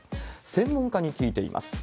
専門家に聞いています。